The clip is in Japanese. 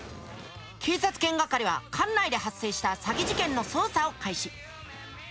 警察犬係は管内で発生した詐欺事件の捜査を開始。